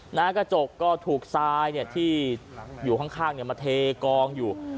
กระจกก็ถูกทรายที่อยู่ข้างมาเทกองอยู่